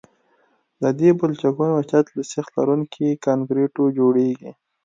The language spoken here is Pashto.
د دې پلچکونو چت له سیخ لرونکي کانکریټو جوړیږي